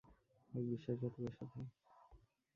এক বিশ্বাসঘাতকের সাথে।